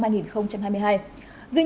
ghi nhận cho thấy điểm chuẩn